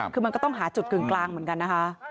คือมันก็ต้องหาจุดกึ่งกลางเหมือนกันนะคะ